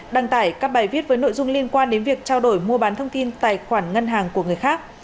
đăng tải các bài viết với nội dung liên quan đến việc trao đổi mua bán thông tin tài khoản ngân hàng của người khác